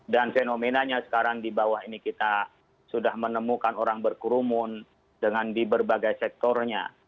dan fenomenanya sekarang di bawah ini kita sudah menemukan orang berkurumun dengan di berbagai sektornya